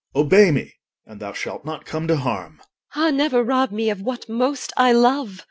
Obey me and thou shalt not come to harm. EL. Ah, never rob me of what most I love!